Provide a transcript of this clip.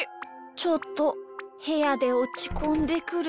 ちょっとへやでおちこんでくる。